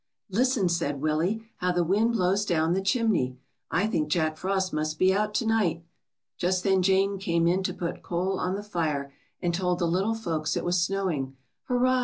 '^Listen," said Willie, ^^how the wind blows down the chimney. I think Jack Frost must be out to night." Just then Jane came in to put coal on the fire, and told the little folks it was snowing. ^^Hurrah!"